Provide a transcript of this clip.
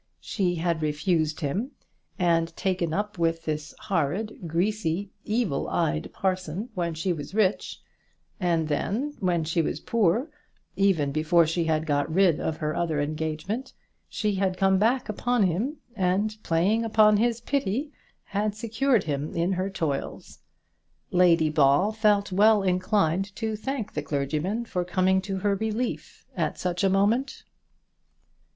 She had refused him, and taken up with this horrid, greasy, evil eyed parson when she was rich; and then, when she was poor, even before she had got rid of her other engagement, she had come back upon him, and, playing upon his pity, had secured him in her toils. Lady Ball felt well inclined to thank the clergyman for coming to her relief at such a moment.